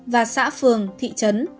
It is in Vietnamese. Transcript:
và xã phường thị trấn